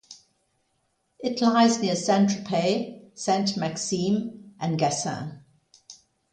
It lies near St-Tropez, Sainte-Maxime and Gassin.